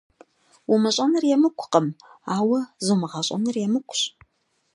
Умыщӏэныр емыкӏукъым, ауэ зумыгъэщӏэныр емыкӏущ.